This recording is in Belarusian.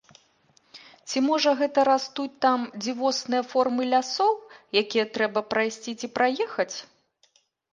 Ці можа гэта растуць там дзівосныя формы лясоў, якія трэба прайсці ці праехаць?